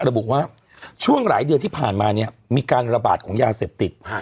ระบุว่าช่วงหลายเดือนที่ผ่านมาเนี่ยมีการระบาดของยาเสพติด